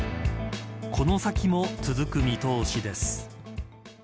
この先も続く見通しです。